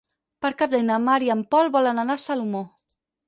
Per Cap d'Any na Mar i en Pol volen anar a Salomó.